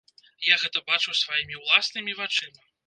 Я гэта бачыў сваімі ўласнымі вачыма.